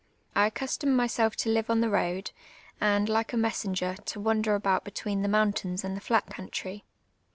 I accustomed mys(>lf to live ■Gn the road, and, like a messenger, to wander about between the mountains and the tiut country.